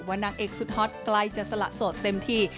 นางเอกสุดฮอตใกล้จะสละโสดเต็มที